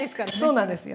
そうなんですよ。